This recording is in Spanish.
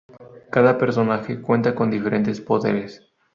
Cada personaje cuenta con diferentes poderes.